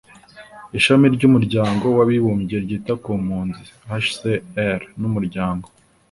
ishami ry'umuryango w'abibumbye ryita ku mpunzi (hcr) n'umuryango